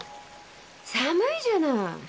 寒いじゃない！